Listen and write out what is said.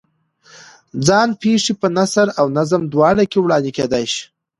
ځان پېښې په نثر او نظم دواړو کې وړاندې کېدای شي.